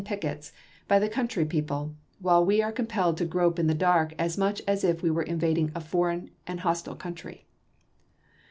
pickets, by the country people, while we are com pelled to grope in the dark as much as if we were invading a foreign and hostile country."